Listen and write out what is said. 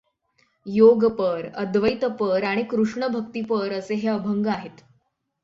योगपर, अद्वैतपर आणि कृष्णभक्तिपर असे हे अभंग आहेत.